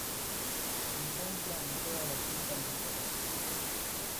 Se encuentra en toda la cuenca mediterránea.